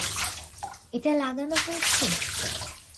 এটা লাগানো হয়েছে?